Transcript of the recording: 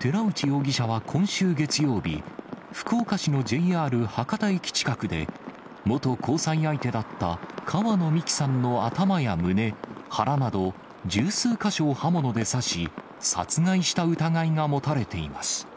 寺内容疑者は今週月曜日、福岡市のＪＲ博多駅近くで、元交際相手だった川野美樹さんの頭や胸、腹など、十数か所を刃物で刺し、殺害した疑いが持たれています。